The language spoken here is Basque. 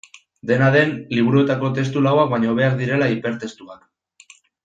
Dena den, liburuetako testu lauak baino hobeak direla hipertestuak.